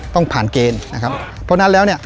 ต้องผ่านเกณฑ์นะครับเพราะฉะนั้นแล้วเนี่ย